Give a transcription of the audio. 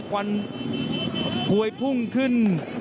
ควันพวยพุ่งขึ้น